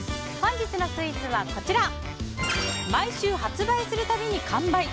本日のスイーツは毎週発売するたびに完売！